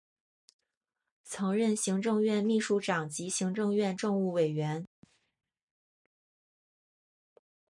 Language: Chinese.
曾任行政院秘书长及行政院政务委员。